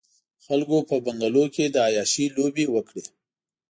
خلکو په بنګلو کې د عياشۍ لوبې وکړې.